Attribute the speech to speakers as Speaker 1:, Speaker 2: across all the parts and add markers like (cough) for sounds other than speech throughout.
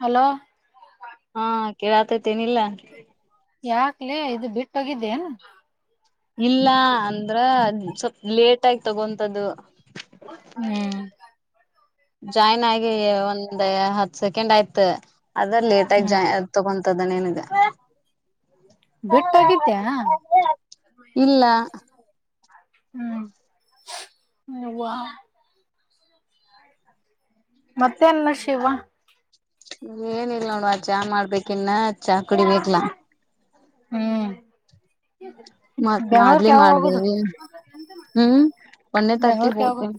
Speaker 1: Hello
Speaker 2: ಹಾ ಕೇಳಾತೈತೆೇನಿಲ್ಲ.
Speaker 1: ಯಾಕ್ಲೇ ಇದು ಬಿಟ್ಟೋಗಿದ್ದೇನು.
Speaker 2: ಇಲ್ಲ ಅಂದ್ರ ಸ್ವಲ್ಪ್ ಲೇಟ್ ಆಗಿ ತಗೊಂತ್ದು.
Speaker 1: ಹ್ಮ್
Speaker 2: ಜಾಯ್ನ್ ಆಗಿ ಒಂದ ಹತ್ ಸೆಕೆಂಡ್ ಆಯ್ತ ಅದ್ರ ಲೇಟ್ ಆಗ
Speaker 1: ಹ್ಮ್
Speaker 2: ಜಾಯ ತಗೊಂಡ. ತದಾನ ಏನಿದೆ.
Speaker 1: ಬಿಟ್ಟೋಗಿದ್ದ್ಯಾ
Speaker 2: ಇಲ್ಲ.
Speaker 1: ಹ್ಮ್ ಹ ಮತ್ತೆನ್ ಶಿವ
Speaker 2: ಏನಲ್ ನೋಡವ ಆ ಚಾ ಮಾಡ್ಬೇಕ ಇನ್ನ ಚಾ ಕುಡಿಬೇಕರ್ಲಾ
Speaker 1: ಹ್ಮ
Speaker 2: ಮತ್ತ್ ಮದ್ಲಿ ಮಾಡ್ದೇವಿ ಹ್ಮ್ ಒನ್ನೇ ತರ್ಟಿ
Speaker 1: ಬೆಂಗ್ಳೂರ್ಗೆ ಯಾವಾಗ
Speaker 2: ಹೋಗತ
Speaker 1: ಹೋಗುದು?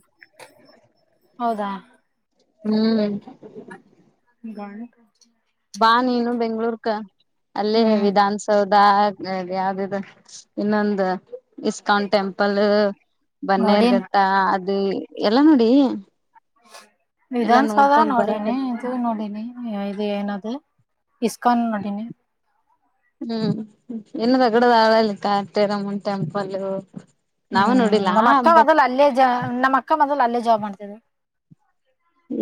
Speaker 1: ಹೌದಾ
Speaker 2: ಹ್ಮ್
Speaker 1: ಗಾನ
Speaker 2: ಬಾ ನೀನು ಬೆಂಗ್ಳೂರ್ಕ ಅಲ್ಲೇ
Speaker 1: ಹ್ಮ್
Speaker 2: ವಿಧಾನಸೌ ದಾಗ ಯಾವ್ದದು ಇನ್ನೊಂದು ಇಸ್ಕಾನ್ ಟೆಂಪಲ್.
Speaker 1: ನೋಡಿನ್
Speaker 2: ಬನ್ನೇರುಘಟ್ಟ ಅದು ಎಲ್ಲಾ ನೋಡಿ. ಎಲ್ಲಾ
Speaker 1: ವಿಧನ್ಸೌಧ
Speaker 2: ನೋಡ್ಕೊಂಡ್
Speaker 1: ನೋಡಿನಿ
Speaker 2: ಬರಕತ್
Speaker 1: ಇದು ನೋಡಿನಿ ಇದು ಏನದು ಇಸ್ನ್ ನಡಿನ
Speaker 2: ಹ್ಮ್ ಇನ್ನು ತಗಡದಾಳಲ್ಲಿ ಕಟೆರಮನ್ ಟೆಂಪಲ್ ನಾವು
Speaker 1: ಹ್ಮ್
Speaker 2: ನೋಡಿಲ್ಲ
Speaker 1: ನಮ್ಮ ಅಕ್ಕ
Speaker 2: ಬಟ್
Speaker 1: ಮೊದಲು ಅಲ್ಲೇ ಜ ನಮ್ಮ ಅಕ್ಕ ಮೊದಲು ಅಲ್ಲೇ ಜಾಬ್ ಮಾಡ್ತ್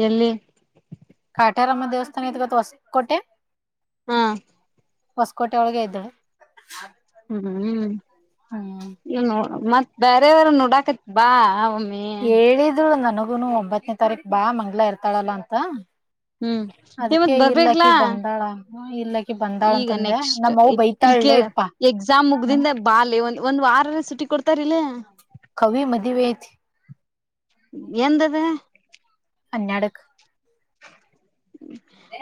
Speaker 2: ಎಲ್ಲಿ
Speaker 1: ಕಾಟಾರಮ್ಮ ದೇವಸ್ಥಾನ ಇ ಗತ್ತು ಹೊಸಕೋಟೆ
Speaker 2: ಹಾ
Speaker 1: ಹೊಸಕೋಟೆ ಒಳಗೆ ಇದ್ದ
Speaker 2: ಹ್ಮ ಹ್ಮ್
Speaker 1: ಹ್ಮ
Speaker 2: ಮತ್ ಬೇರೆಯವ್ರ ನೋಡಾಕತ್ ಬಾ ಒಮ್ಮಿ
Speaker 1: ಹೇಳಿದ್ರು ನನಗೂನು ಒಂಬತ್ತನೇ ತಾರೀಕ್ ಬಾ ಮಂಗ್ಲ ಇರ್ತಾಳಲ್ಲ ಅಂತ
Speaker 2: ಹ್ಮ್ ನೀ
Speaker 1: ಅದಕ್ಕೆ
Speaker 2: ಮತ್ ಬರ್ಬೇಕಲಾ
Speaker 1: ಇಲ್ಲಕ್ಕ ಬಂದಾಳ ಇಲ್ಲಕ್ಕ
Speaker 2: ಈಗ ನೆಕ್ಸ್ಟ್ ಇಲ್ ಕ ಎಕ್ಸಾಮ್
Speaker 1: ಹ್ಮ್
Speaker 2: ಮುಗ್ದಿಂದ ಬಾಲ್ ಒ ಒಂದು ವಾರರ ಸುಟ್ಟಿ ಕೊಡ್ತ
Speaker 1: ಕವಿ ಮದ ವತ
Speaker 2: ಎಂದದ
Speaker 1: ಅನ್ಯಾಡುಕ್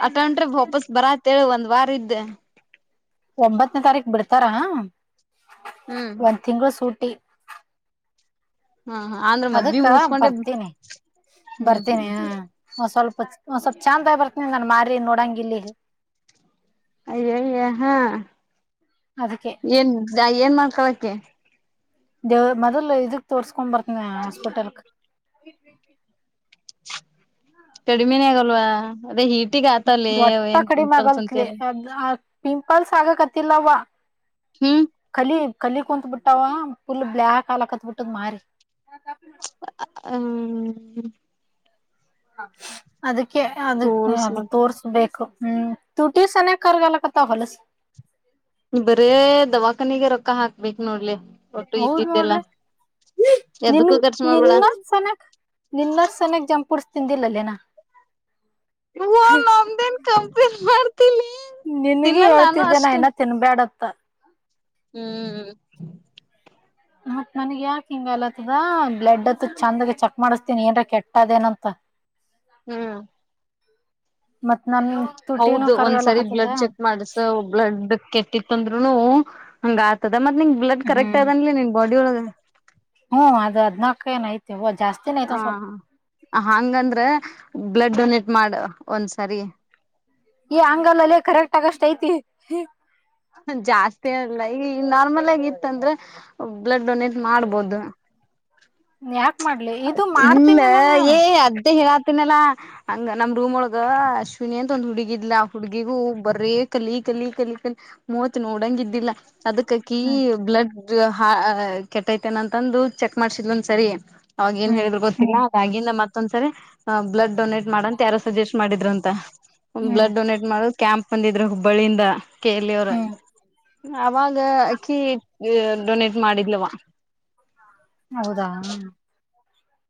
Speaker 2: ಅಥಂಟ್ರೆ ವಾಪಸ್ ಬರಾತೇಳ ಒಂದ್ ವಾರ ಇದ್ದೆ
Speaker 1: ಒಂಬತ್ತನೇ ತಾರೀಕ ಬಿಡ್ತಾರ
Speaker 2: ಹ್ಮ್
Speaker 1: ಒಂದ್ ತಿಂಗಗಳು ಸೂಟ್ ಿ (unintelligible)
Speaker 2: ಹಾ ಹಾ ಅಂದ್ರ ಮದ್ವಿ
Speaker 1: ಅದಕ್ಕ
Speaker 2: ಮುಗಸ್ಕೊಂಡೆ
Speaker 1: ಬರ್ತೀನಿ
Speaker 2: ಹ್ಮ್
Speaker 1: ಬರ್ತೀನಿ
Speaker 2: ಹ್ಮ್
Speaker 1: ಹ ಸ್ವಲ್ಪ ಸ್ವಲ್ಪ್ ಚಂದ ಬರ್ತನಿ ನಾನ್ ಮಾರಿ ನೋಡಂಗ ಇಲ್ಲಿ
Speaker 2: ಅಯ್ಯಯ್ಯ ಹಾ
Speaker 1: ಅದಕ್ಕೆ
Speaker 2: ಏನ್ ಏನ್ ಮಾಡ್ಕಳಕೆ
Speaker 1: ದೇವ್ ಮೊದಲು ಇದಕ್ ತೋರ್ಸ್ಕೊಂಡ್ ಬರ್ತನಿ ಹಾಸ್ಪಿಟಲ್ಕ್
Speaker 2: ಕಡಿಮೆನೇ ಆಗಲ್ವಾ ಅದೇ ಹೀಟ್
Speaker 1: ಒಟ್ಟ ಕಡಿಮೆ ಆಗಲ್ತ್ಲಿ ಪಿಂಪಲ್ಸ್ ಆಗಕತಿಲ್ಲವ
Speaker 2: ಹ್ಮ್
Speaker 1: ಕಾಲ ಕಲ್ಲಿ ಕುತ್ ಬಿಟ್ಟಾವ ಫುಲ್ ಬ್ಲ್ಯಾಕ್ ಅಲ ಕತ್ಬಿಟ್ಟದ ಮಾರಿ
Speaker 2: ಹ್ಮ್
Speaker 1: ಅದಕ್ಕೆ ಅದಕ್ಕೆ
Speaker 2: ತೋರ್ಸ್
Speaker 1: ಅದು
Speaker 2: ಮತ್
Speaker 1: ತೋರ್ಸ್ಬೇಕು ಹ್ಮ್ ತುಟಿ ಸನ ಕಗಲ್ಲಕ್ಕಥ ಹೊಲಸ
Speaker 2: ಬರೇ ದವಾಖಾನೆಗೆ ರೊಕ್ಕ ಹಾಕ್ಬೇಕು ನೋಡ್ಲಿ ಒಟ್ಟು
Speaker 1: ಹೌದ್
Speaker 2: ಇದ್ದಿದ್ದೆಲ್ಲ
Speaker 1: ನೋಡ್ಲೆ ನಿನ್
Speaker 2: ಎದಕ್ಕೂ ಖರ್ಚು ಮಾಡ್ಬೇಡ
Speaker 1: ನಿನ್ನ ಸನಕ್ ನಿನ್ನರ್ ಸನಕ್ ಜಂಪೂರ್ ತಿಂದಿಲ್ಲಲ್ಲನಾ
Speaker 2: ನಮದನ್ ಕ ಮಾಡತಿ
Speaker 1: ನನ್ಗಿ ಹೇಳ್ತಿದ್ದೇನ ಏನ ತಿನ್ಬ್ಯಾಡತ್ತ
Speaker 2: ಹ್ಮ್
Speaker 1: ಮತ್ತತ್ ನನಗ್ ಯಾಕ ಹಿಂಗಲತ್ತದ ಬ್ಲಡ್ ಹತ್ ಚಂದಾಗ ಚೆಕ್ ಮಾಡಸ್ತೀನಿ ಏನ್ರ ಕೆಟ್ಟದೇಏನಂತ ಮತ್ತೆ
Speaker 2: ಹೌದು ಒಂದ್ಸರಿ ಬ್ಲಡ್ ಚೆಕ್ ಮಾಡಸ ಬ್ಲಡ್ ಕೆಟ್ಟಿತ್ತು ಅಂದ್ರುನು. ಹಂಗ ಆತದ ಮತ್ ನಿಂಗ ಬ್ಲಡ್ ಕರೆಕ್ಟ್
Speaker 1: ಹ್ಮ್
Speaker 2: ಅದನ್ಲಿ ನಿನ್ ಬಾಡಿ ಒಳಗ.
Speaker 1: ಹ್ಮ್ ಅದ್ ಹದ್ನಾಲ್ಕ ಏನ್ ಐತೆ ಹ
Speaker 2: ಹ ಹಂಗಂದ್ರೆ ಬ್ಲಡ್ ಡೊನೇಟ್ ಮಾಡ ಒಂದ್ಸರಿ.
Speaker 1: ಅಂಗಲ್ಲ ಅಲ್ಲ ಕರೆಕ್ಟ್ ಆಗಷ್ಟ ಐತಿ
Speaker 2: ಜಾಸ್ತಿ ಅಲ್ಲ ಈಗ ಈ ನಾರ್ಮಲ್ ಆಗಿ ಇತ್ತಂದ್ರೆ. ಬ್ಲಡ್ ಡೊನೇಟ್ ಮಾಡ್ಬೋದು.
Speaker 1: ಯ
Speaker 2: ಇಮ್ಮ ಏ ಅದ್ದೇ ಹೇಳ ಹತ್ತಿನಲ್ಲಾ ಹಂಗ ನಮ್ ರೂಮೊಳಗ ಅಶ್ವಿನಿ ಅಂತ ಒಂದ್ ಹುಡುಗಿದ್ ಆ ಹುಡ್ಗಿಗೂ ಬರೇ ಕಲಿ ಕಲಿ ಕಲ ಕಲಿ ಮೂವತ್ ನೋಡಂಗ ಇದ್ದಿಲ್ಲ ಅದಕ್ಕಕಿ
Speaker 1: ಹ್ಮ್
Speaker 2: ಬ್ಲಡ್ ಕೆಟ್ಟೈತೆೇನ ಅಂತಂದು ಚೆಕ್ ಮಾಡ್ಸಿದ್ ಒಂದ್ ಸರಿ ಅವಾಗ ಏನ್
Speaker 1: ಹ್ಮ್
Speaker 2: ಹೇಳಿದ್ರು ಗೊತ್ತಿಲ್ಲ. ಆಗಿಂದ ಮತ್ತೊಂದ್ಸರಿ ಬ್ಲಡ್ ಡೊನೇಟ್ ಮಾಡಂತ ಯಾರು ಸಜೆಸ್ಟ್ ಮಾಡಿದ್ರು ಅಂತ
Speaker 1: ಹ್ಮ್
Speaker 2: ಬ್ಲಡ್ ಡೊನೇಟ್ ಮಾಡ ಕ್ಯಾಂಪ್ ಒಂದಿದ್ರೆ ಹುಬ್ಬಳ್ಳಿಯಿಂದ. ಕಲ್ಲಿ ಅವರ
Speaker 1: ಹ್ಮ್
Speaker 2: ಅವಾಗ ಅಕ್ಕಿ ಡೊನೇಟ್ ಮಾಡಿದ್ಲವ.
Speaker 1: ಹೌದಾ ಹ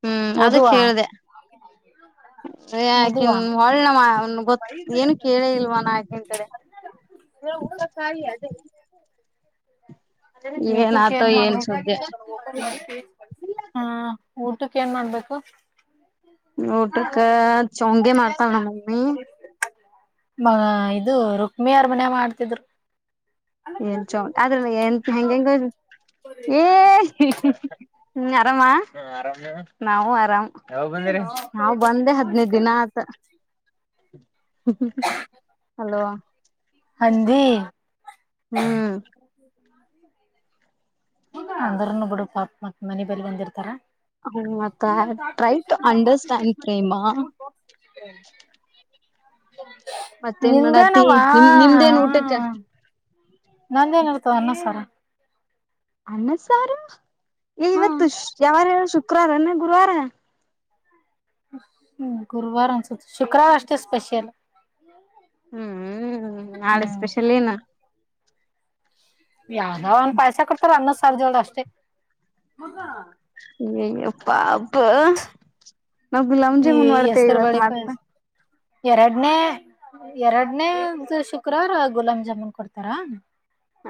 Speaker 2: ಹ್ಮ್ ಅದಕ್ಕೆ ಹೇಳ್ದೆ.
Speaker 1: ಹ
Speaker 2: ಯಾಕಿನ್ ಒಳ್ ಗೊತ್ತ ಏನು ಕೇಳೇ ಇಲ್ವ ನ ಆಕಿನ್ ಕಡೆ. ಹ ಊದ ಕಾಯ ಅದೆ.
Speaker 1: ಊಟಕ್ಕೆ ಮಾಡ
Speaker 2: ಏನ್ ಸುದ್ದಿ
Speaker 1: ಹಾ ಊಟಕ್ಕೆ ಏನ್ ಮಾಡ್ಬೇಕು.
Speaker 2: ಊಟಕ್ಕ ಚೊಂಗೆ ಮಾಡ್ತಣ ಮಮ್ಮಿ.
Speaker 1: ಮ ಇದು ರುಕ್ಮಿ ಅರಮನೆ ಮಾಡ್ತಿದ್ರು.
Speaker 2: ಎನ್ ಚೌಟ ಆದ್ರ ಎಂತ ಹೆಂಗಂಗೆ ಹೆಂಗ ಏ ಹ್ಮ್ ಆರಾಮಾ ನಾವು ಆರಾಮ್ ಯಾವಾಗ ಬಂದ ನಾವ್ ಬಂದೆ ಹದ್ನೈದ ದಿನ ಆತ. ಹಲೋ
Speaker 1: ಹಂದಿ
Speaker 2: ಹ್ಮ್
Speaker 1: ಅಂದ್ರನು ಬಿಡು ಪಾಪ ಮತ್ ಮನೆ ಬೇಲಿ ಬಂದಿರ್ತಾರ.
Speaker 2: ಮತ್ತ
Speaker 1: ಇಲ್ಲ
Speaker 2: ಟ್ರೈ ಟು ಅಂಡರ್ಸ್ಟ್ಯಾಂಡ್ ಪ್ರೇಮ ಮತ್ತೇನ್
Speaker 1: ನಿಂತೇ
Speaker 2: ಮಾಡತಿ
Speaker 1: ನವಾ
Speaker 2: ನಿಮ್ ನಿಮ್ದೇನ್ ಊಟಕ್ಕ
Speaker 1: ಹ್ಮ ನಂದೇ ನಡ್ತ ಅನ್ನ ಸರ.
Speaker 2: ಅಣ್ಣ ಸಾರ ಏ
Speaker 1: ಹ್ಮ್
Speaker 2: ಇವತ್ತು ಯಾವಾರ ಹೇಳ ಶುಕ್ರವಾರಂದ ಗುರುವಾರ.
Speaker 1: ಹ್ಮ ಗುರುವಾರ ಅಸ ಶುಕ್ರವಾರ ಅಷ್ಟೇ ಸ್ಪೆಷಲ್
Speaker 2: ಹ್ಮ್ ನಾಳ
Speaker 1: ಹ್ಮ್
Speaker 2: ಸ್ಪೆಷಲ್ ಏನ
Speaker 1: ಯಾವ್ದ ಒನ್ ಪಾಯಸ ಕೊಡ್ತಾರ ಅನ್ನದ್ ಸಾರ್ಜೋದ ಅಷ್ಟೇ.
Speaker 2: ಇಯಾಪ್ಪಾ. ನಾ ಗುಲಮ್ಜಿ
Speaker 1: ಈ
Speaker 2: ಮುನ್ ಮಾಡ್ತೆೇವೆ
Speaker 1: ಹೆಸರು
Speaker 2: ಇವತ್ತು
Speaker 1: ಬಳಿ
Speaker 2: ಮಾಡ್ತ
Speaker 1: ಪಾಯಸ ಎರಡನೇ ಎರಡನೇ ಶುಕ್ರವಾರ ಗುಲಾಬ್ ಜಾಮೂನ್ ಕೊಡ್ತಾರಾ?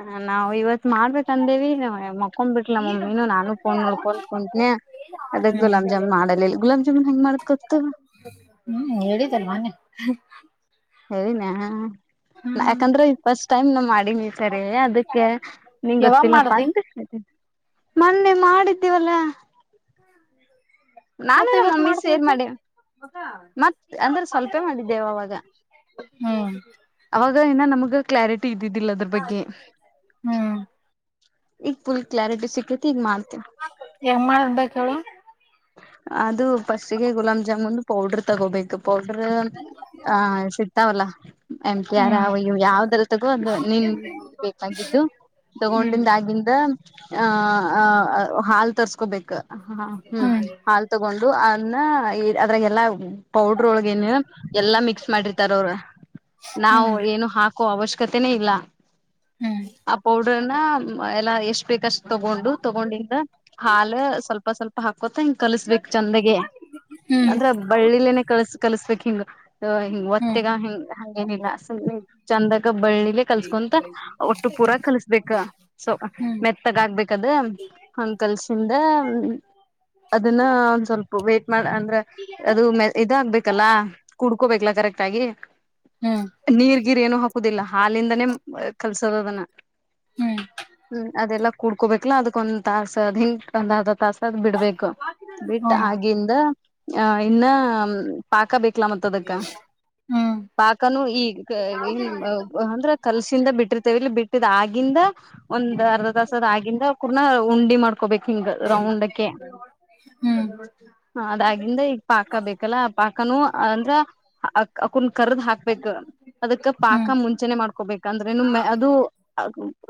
Speaker 2: ಹ ನಾವು ಇವತ್ ಮಾಡ್ಬೇಕೇು ಅಂದೇವಿ ಮ ಹಕೊಂಡ್ಬ ಬಿಟ್ಟಲ ಮಮ್ಮಿನನು ನಾನು ಫೋನ್ ನೋಡ್ಕೊತ್ಕೊಂಡಂತನನೆ ಅದಕ್
Speaker 1: ಹ್ಮ್
Speaker 2: ಗುಲಾಬ್ ಜಾಮನ್ ಮಾಡಲಿಲ್ಲ ಗುಾ ಜಾಮೂನ್ ಹೆಂಗ ಮಾಡ ತ
Speaker 1: ಹ್ಮ್ ಹೇಳಿದ್ದಲ್ ಮೊನ್ನೆೆ
Speaker 2: ಹೇಳನಯ ಯಾಕಂದ್ರೆಫಸ್ಟ್ ಟೈಮ್ ನ ಸರಿ ಅದಕ್ಕೆ ನಿಂಗ
Speaker 1: ಯಾವಾಗ
Speaker 2: ಗೊತ್ತಿಲ್ಲಪ್ಪ
Speaker 1: ಮಾಡ್ದಿ
Speaker 2: ಅಂತನಿ. ಮೊನ್ನೆ ಮಾಡಿದ್ದೇವಲ್ಲ. ನಾನು
Speaker 1: ಮತ್ತೆ
Speaker 2: ನ
Speaker 1: ಇವತ್
Speaker 2: ಮಮ್ಮಿ ಸೇರ್
Speaker 1: ಮಾಡ್ತನಂತೆ
Speaker 2: ಮಾಡೆ ಮತ್ ಅಂದ್ರೆ ಸ್ವಲ್ಪೇ ಮಾಡಿದ್ದೇವ ಅವಾಗ
Speaker 1: ಹ್ಮ್
Speaker 2: ಅವಾಗ ಇನ್ನ ನಮ್ಗ ಕ್ಲಾರಿಟಿ ಇದ್ದಿದ್ದಿಲ್ಲ ಅದ್ರ ಬಗ್ಗೆ
Speaker 1: ಹ್ಮ್
Speaker 2: ಈಫುಲ್ ಕ್ಲಾರಟಿ ಸಿಖೆತಿ ಮಾರ್ತಿ
Speaker 1: ಹೆಂಗ್ ಮಾಡ್ಬೇಕ ಹೇಳು
Speaker 2: ಅದು ಪಸಗೆ ಗುಲಾಬ್ ಜಾಮುನ್ ಪೌಡ್ರ ತಗೋಬೇಕು ಪೌಡರ್ ಹ ಸಿತಾವಲ್ಲ ಎಮ ಕೆ ಯರ್
Speaker 1: ಹ್ಮ್
Speaker 2: ಅಯ್ಯವು ಯಾವ್ದ್ರ ತಗೋ ಅದು ನಿನ್ ಬೇಕಾಗಿ
Speaker 1: ಹ್ಮ್
Speaker 2: ತಗೊಂಡಾಗಿಂದ ಆ ಹಾಲ್ ತರ್ಸ್ಕೊಬೇಕಕ್ ಹ ಹ್ಮ್ ಹಾಲ್ ತಗೊಂಡು ಅನ್ನ ಅದ್ರಾಗಲ್ಲಾ ಪೌಡ್ರ ಒಳಗೇನು ಎಲ್ಲಾ ಮಿಕ್ಸ್ ಮಾಡಿರ್ತಾರ ಅವರು ನಾವವು
Speaker 1: ಹ್ಮ್
Speaker 2: ಏನು ಹಾಕೋ ಅವಶ್ಯ ಕತೆ ಇಲ್ಲ
Speaker 1: ಹ್ಮ್ ಹ್ಮ್
Speaker 2: ಆ ಪೌಡರ್ನ ಎಲ್ಲ ಎಷ್ಟ ಹ ಬೇಕಷ್ಟು ತಗೊಂಡು ತಗೊಂಡಿಂದ ಹಾಲ್ ಸ್ವಲ್ಪ ಸ್ವಲ್ಪ ಹಾಕ ಕೊತ್ತಂಗ ಕಲಸ್ಬೇಕ್ ಚಂದಗೆ
Speaker 1: ಹ್ಮ್ ಹ್ಮ್ ಹ್ಮ್ ಹ್ಮ್
Speaker 2: ಅಂದ್ರ ಬಳ್ಳಿಲೇನೆ ಕಲ್ಸ ಕಲ್ಸ್ಬೇಕಕ್ ಹಿಂಗ್ ಹಿಂಗ್
Speaker 1: ಹ್ಮ್
Speaker 2: ಒತ್ತೆಗ ಹಿಂಗ್ ಹಂಗೇನಿಲ್ಲ ಗ ಬಳ್ಳಿಲೆ ಕಲ್ಸ್ಕೊಂತ ಒಟ್ಟು ಪೂರ ಕಲ್ಸ್ಬೇಕ ಸೊ ಮೆತ್ತಗ ಆಗ್ಬೇಕ ಅದ ಅಂಕಲ್ಸ್ ಇಂದ ಅದನ್ನ ಒಂದ್ ಸ್ವಲ್ಪ ವೇಟ್ ಮಾಡ ಅಂದ್ರೆ ಅದು ಮ ಇದಾಗಗ್ಬೇಕಲ್ಲ ಕುಡ್ ಹಕೋಬೇಕ ಕರೆಕ್ಟ್ ಆಗಿ
Speaker 1: ಹ್ಮ್ ಹ್ಮ್ ಹ್ಮ್
Speaker 2: ನೀರ್ ಗಿರ್ ಏನು ಹಾಕುದಿಲ್ಲ ಹಾಲಿಂದನೇ ಕಲ್ಸೋದದನ ಹ್ಮ ಅದೆಲ್ಲ ಕುಡ್ಕೋಬೇಕಲಾ ಅದೊಂದು ತಾಸಸ್ ಅದ ಹಿಂಂದ ಅ ತಾಸ ಬಿಡ್ಬೇಕು ಬಿಟ್ಟ ಆಗಿಂದ ಅ ಇನ್ನ ಪಾಕ ಬ ಇಲ ಮತ್ತ ಅದಕ್ಕ ಪಾಕನುೂ ಈನ್ ಅಂದ್ರ ಕಲ್ಸಿಂದ ಬಿಟ್ಟಿರ್ತೇವಿ ಇಲ್ಲಿ ಬಿಟ್ಟಿದ ಆಗಿಂದ ಒಂದ್ ಅರ್ಧ ದಾಸದ ಆಗಿಂದ ಕೂರ್ನ ಉಂಡಿ ಮಾಡ್ಕೊಬೇಕು ಹಿಂಗ ರೌಂಡ್
Speaker 1: ಹ್ಮ್
Speaker 2: ಅದಾಗಿಂದ ಈಗ ಪಾಕ ಬೇಕಲ್ಲ ಪಾಕನುೂ ಅಂದ್ರ ಅ ಅ ಕುಂದ ಕರ್ದ್ ಹಾಕ್ಬೇಕ ಅದಕ್ಕ
Speaker 1: ಹ್ಮ್
Speaker 2: ಪಾಕ ಮುಂಚೆನೆೆ ಮಾಡ್ಕೋಬೇಕಂದ್ರೆಮ್ಮ ಅದು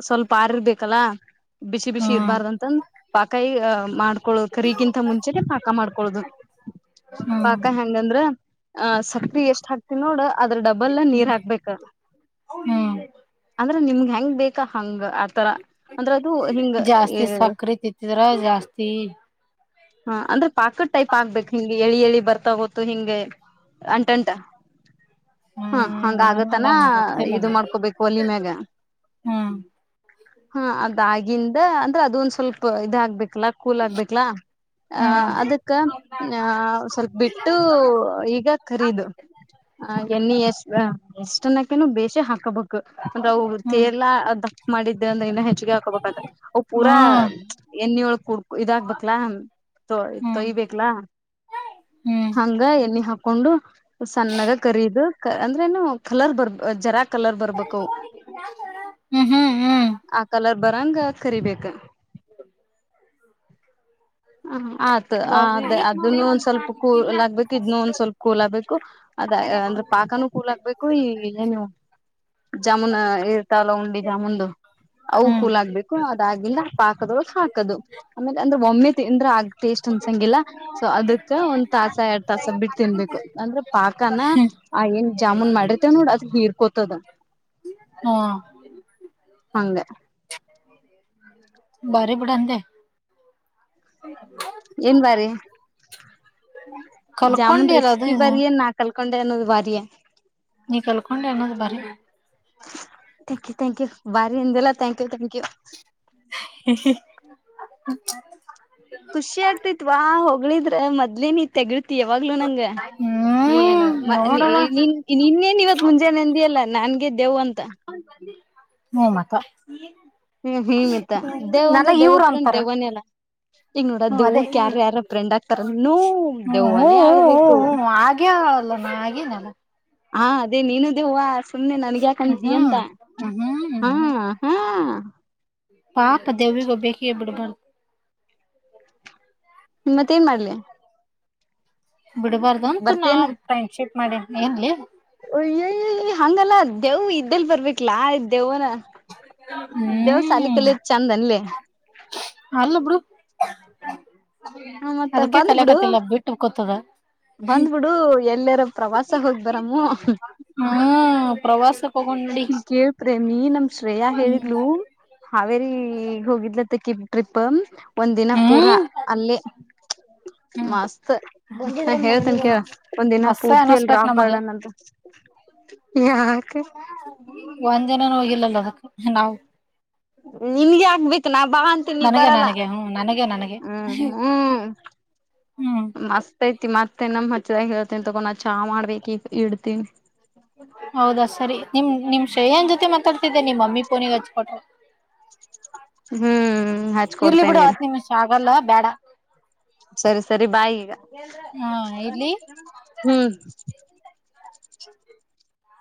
Speaker 2: ಸ್ವಲ್ಪ ಆರಿರ್ಬೇಕಲ್ಲ ಬಿಸಿ ಬಿಸಿ ಇರಬಾರ್ದಂತಂದ ಪಾಕಾಯಿ ಮಾಡ್ ಕರಿಗಿಂತ ಮುಂಚೆನೆ ಪಾಕ ಮಾಡ್ಕೊಳದು
Speaker 1: ಹ್ಮ್
Speaker 2: ಪಾಕ ಹೆಂಗಂದ್ರ ಆ ಸಕ್ಕ್ರ ಎಷ್ಟ ಆಕ್ತ ನೋಡ ಅದ್ರ ಡಬ್ಬಲ್ ನೀರ್ ಹಾಕ್ಬೇಕ್ರೆ
Speaker 1: ಹ್ಮ್
Speaker 2: ನಿಮ್ಗ್ಗೆ ಹೆಂಗ್ ಬೇಕಾ ಹಂಗ ತರ ಅಂದ್ರೆ ಅದು ಹಿಂಗ
Speaker 1: ಜಾಸ್ತಿ ಸಕ್ರಿ ತಿತ್ತಿದ್ರ ಜಾಸ್ತಿ
Speaker 2: ಹಾ ಅಂದ್ರೆ ಪಾಕಟ್ ಟೈಪ್ ಆಗ್ಬೇಕು ಎಳಿ ಎಳಿ ಬರ್ತಾ ಗೊತ್ತು ಹಿಂಗೆ ಅಂಟಂಟ ಹಾ
Speaker 1: ಹ್ಮ್
Speaker 2: ಹಂಗ
Speaker 1: ನನ್
Speaker 2: ಆಗತ್ತನ
Speaker 1: ನನ್ಗ್ ಗೊತ್ತಿಲ್ಲ
Speaker 2: ಇದು ಮಾಡ್ಕೊಬೇಕು ಒಲಿ ಮ್ಯಾಗ
Speaker 1: ಹ್ಮ
Speaker 2: ಹಾ ಅದಾಗಿಂದ ಅಂದ್ರೆ ಅದೊಂದ್ ಸ್ವಲ್ಪ ಇದ ಆಗಗ್ಬೇಕಲ್ಲಾ ಕೂಲ್ ಆಗ್ಬೇಕಲಾ ಅ
Speaker 1: ಹ್ಮ್
Speaker 2: ಅದಕ್ಕ ಆ ಸ್ವಲ್ಪ ಬಿಟ್ಟು ಈಗ ಖರೀದುು ಹ ಎಣ್ಣಿ ಎಷ್ಟ ಎಷ್ಟನಕ್ಕನು ಬೇಶಿ ಹಾಕೋಬೇಕು ಅಂದ್ರೆ ಅ
Speaker 1: ಹ್ಮ್
Speaker 2: ತೇರ್ಲಾ ಅ ಮಾಡಿದ್ದೆ ಅಂದ್ರೆ ಇನ್ನ ಹೆಚ್ಚಿಗೆ ಹಾಕೋಬಬೇಕತ್ತ
Speaker 1: ಹ್ಮ್
Speaker 2: ಪೂರಾ
Speaker 1: ಹ್ಮ್
Speaker 2: ಎಣ್ಣಿ ಒಳಗ್ ಕುಡ್ ಇದಾಗಕ್ಬೇಕಕ್ಲಾ ತೊ
Speaker 1: ಹ್ಮ್
Speaker 2: ತೊಯಿಬೇಕಕ್ಲಾ
Speaker 1: ಹ್ಮ್
Speaker 2: ಹಂಗ ಎಲ್ಲಿ ಹಾಕೊಂಡು ಸಣ್ಣಾಗ ಕರೀು ಅಂದ್ರೆ ನು ಕಲರ್ ಬರ್ಬ ಜರಾಕ್ ಕಲರ್ ಬರ್ಬೇಕು
Speaker 1: ಹ್ಮ್ ಹ್ಮ್
Speaker 2: ಆ ಕಲರ್ ಬರಾಂಗ ಕರಿಬೇಕ
Speaker 1: ಹ
Speaker 2: ಹ ಆಯ್ತು ಅ ಅದೇ ಅದನ್ನು ಒಂದ ಸ್ವಲ್ಪ ಕೂಲ್ ಆಗ್ಬೇಕು ಇದ್ನ್ನು ಒಂದ್ ಸ್ವಲ್ಪ ಕೂಲ್ ಆಗ್ಬೇಕು ಅದ ಅಂದ್ರೆ ಪಾಕನೂ ಕೂಲ್ ಆಗ್ಬೇಕು ಈ ಲ್ಲ ನೀವು ಜಾಮೂನ್ ಇರ್ತಾವಲ್ಲ ಉಂಡಿ ಜಾಮೂನ್ದು ಅವು
Speaker 1: ಹ್ಮ್
Speaker 2: ಕೂಲ ಆಗ್ಬೇಕು ಅದಾಗಿಂದ ಪಾಕದೊಳ ಹಾಕದು ಆಮೇಲೆ ಅಂದ್ರೆ ಒಮ್ಮೆ ತಿಂದ್ರ ಆಗ ಟೇಸ್ಟ್ ಅನ್ಸಂಗಿಲ್ಲ ಸೊ ಅದಕ್ ಒಂದ್ ತಾಸ ಎರಡ್ ತಾಸ ಬಿಟ್ಟು ತಿನ್ಬೇಕು ಅಂದ್ರೆ ಪಾಕನ ಆ ಏನ್ ಜಾಮೂನ್ ಮಾಡಿರ್ತೇವ್ ನೋಡ ಅದ್ ಹೀರ್ಕೋತದ
Speaker 1: ಹಾ
Speaker 2: ಹಂಗ
Speaker 1: ಬಾರಿ ಬಿಡಾ ಅಂದೆ. (unintelligible)
Speaker 2: ಏನ್ ಬಾರಿ ಜಾಮೂನ್
Speaker 1: ಕಲ್ಕೊಂಡಿ ಅಲ್ಲ ಅದು
Speaker 2: ರೆಸ್ಪಿ
Speaker 1: ಇದು
Speaker 2: ಭಾರಿ ಏನ್ ನಾಕಲ್ ಕೊಂಡೆ ಅನ್ನೋದ ಬಾರಿಯ.
Speaker 1: ನೀ ಕಲ್ಕೊಂಡಿ ಅನ್ನೋದ ಭಾರಿ
Speaker 2: ಥಾಂಕ್ ಯು ಭಾರಿ ಅಂದಿ ಅಲಾ ಥಾಂಕ್ ಯು ಥಾಂಕ್ ಯು.
Speaker 1: (unintelligible)
Speaker 2: ಹ್ಮ ಖುಷಿ ಆಗ್ತಿತ್ವಾ ಹೋಗಳಿದ್ರ ಮೊದ್ಲ ನೀ ತೆಗಿ ಯಾವಾಗ್ಲೂ ನಂಗೆ ನೀ ಏನ
Speaker 1: ಹ್ಮ್
Speaker 2: ಮ ನಿ
Speaker 1: ನೋಡವ
Speaker 2: ನೀ ನಿನ್ನೇನ್ ಇವತ್ ಮುಂಜಾನ ಅಂದಿಯಲ್ಲ ನನ್ಗೆ ದೆವ್ವ ಅಂತ.
Speaker 1: ಹ್ಮ್ ಮತ್ತಾ.
Speaker 2: ಹ್ಮ್ ಹ ಮತ್ತ ದೆವ್ವ ಅಂದ್ರ
Speaker 1: ಇವ್ರ
Speaker 2: ದೆವ್ವದ ಫ್ರೆಂಡ್
Speaker 1: ಅಂತಾರ
Speaker 2: ದೆವ್ವನೆ ಅಲಾ. ಈಗ ನೋಡ
Speaker 1: ಹ್ಮ್ ಅದೇ
Speaker 2: ದೇವ್ಕ್
Speaker 1: ಹ್ಮ್
Speaker 2: ಯಾರ್ ಯಾರರ ಫ್ರೆಂಡ್ ಆಕ್ತರೇನ ನೋ ದೆವ್ವನೇ ಆಗ್ಬೇಕು
Speaker 1: ಲಾ ನಾ ಆಗಿನಲಾ.
Speaker 2: ಹಾ ಅದೇ ನೀನು ದೆವ್ವ ಸ್ ಸುಮ್ನೆ ನನಗ್
Speaker 1: ಹ್ಮ್
Speaker 2: ಯಾಕಂತಿ ಅಂತಾ
Speaker 1: ಹ್ಮ್
Speaker 2: ಹ್ಮ್ ಹ್ಮ್.
Speaker 1: ಪಾಪ್ ದೆವ್ವಿಗಿ ಒಬ್ಬಕಿಗೆ ಬಿಡಬಾರದು.
Speaker 2: ಹ್ಮ್ ಮತ್ತ ಏನ್ ಮಾಡ್ಲಿ.
Speaker 1: ಬಿಡ್ಬಾರ್ದ ಅಂತ ನಾ ಫ್ರೆಂಡ್ಶಿಪ್ ಮಾಡಿನಿ ಎನ್ಲೆ.
Speaker 2: ಅಯ್ಯಯಯ ಹಂಗಲ್ಲ ದೆವ್ವ ಇದ್ದೆಲ್ ಬರ್ಬೇಕಲಾ ದೇವ್ವನ. ದೆವ್ವ ಸಾಲಿ
Speaker 1: ಹ್ಮ್
Speaker 2: ಕಲಿದ ಚೆಂದ ಅನ್ಲೆ.
Speaker 1: ಅಲ್ಲ ಬುಡು
Speaker 2: ಹ ಮತ್ತ
Speaker 1: ಅದಕ್ಕೆ
Speaker 2: ಬಂದ್ಬಿಡು
Speaker 1: ಕಲಕತಿಲ್ಲ ಬಿಟ್ಟ ಕೋತದ. ಹ್
Speaker 2: ಬಂದ್ಬಿಡು ಎಲ್ಲರ ಪ್ರವಾಸ ಹೋಗ್ ಬರಮ್ಮು
Speaker 1: ಹ್ಮ್ ಪ್ರವಾಸ
Speaker 2: ಈ ಕೇ ಪ್ರೇಮಿ ನಮ್ ಶ್ರೇಯಾ
Speaker 1: ಹ್ಮ್
Speaker 2: ಹೇಳಿದ್ಲು ಹಾವೇರಿ ಹೋಗಿದ್ಲತ ತಿಕಿ ಟ್ರಿಪ್ ಒಂದ್ ದಿನ ಪೂರಾ
Speaker 1: ಹ್ಮ್
Speaker 2: ಅಲ್ಲೇ.
Speaker 1: (inaudible)
Speaker 2: ಮಸ್ತ್ ನಾ ಹೇಳ್ತನ್ ಕೇಳ್ ಒಂದ ದಿನ
Speaker 1: ಹಸ
Speaker 2: ಪೂರ್ತಿ ಅಲ್
Speaker 1: ಅನಸ್ಬೇಕ್
Speaker 2: ರಾಕ್
Speaker 1: ನಮಗ
Speaker 2: ಗಾರ್ಡನ್ ಅಂತ. ಯಾಕೆ
Speaker 1: ಒಂದ್ ದಿನಾನೂ ಹೋಗಿಲ್ಲಲ್ಲ ಅದಕ್ಕ ನಾವು್
Speaker 2: ನಿನ್ಗೆ ಆಗ್ಬೇಕ ನಾ ಬಾ ಅಂತೀನಿ ನೀ
Speaker 1: ನನಗೆ
Speaker 2: ಬರಲ್ಲ
Speaker 1: ನನಗೆ ಹ್ಮ್ ನನಗೆ ನನಗೆ
Speaker 2: ಹ್ಮ್ ಹ್ಮ್.
Speaker 1: ಹ್ಮ್
Speaker 2: ಮಸ್ತ್ ಐತಿ ಮತ್ ಹಿನ್ನೊಮ್ಮ ಹೆಚ್ಚಾದಾಗ ಹೇಳ್ತೀನಿ ತೊಗೊ ನಾ ಚಾ ಮಾಡ್ಬೇಕ್ ಈಗ ಇಡ್ತೀನಿ.
Speaker 1: ಹೌದಾ ಸರಿ ನಿಮ್ ನಿಮ್ ಶ್ರೇಯನ ಜೊತೆ ಮಾತಾಡ್ತಿದ್ದೆ ನಿಮ್ಮ ಮಮ್ಮಿ ಪೋನಿಗಿ ಹಚ್ ಕೊಟ್ಟರ್.
Speaker 2: ಹ್ಮ್
Speaker 1: ಇರ್ಲಿ ಬಿಡ
Speaker 2: ಹಚ್ಕೊಡ್ತೇನಿರು
Speaker 1: ಹತ್ ನಿಮಿಷ ಆಗಲ್ಲ ಬ್ಯಾಡ.
Speaker 2: ಸರಿ ಸರಿ ಬಾಯ ಈಗ
Speaker 1: ಹಾ ಇರ್ಲಿ
Speaker 2: ಹ್ಮ್.